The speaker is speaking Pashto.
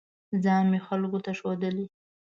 ځان مې خلکو ته ښودلی